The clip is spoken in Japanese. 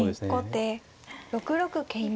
後手６六桂馬。